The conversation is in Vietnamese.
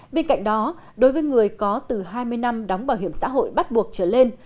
bên cạnh đó đối với người có từ hai mươi năm đóng bảo hiểm xã hội bắt buộc trở lên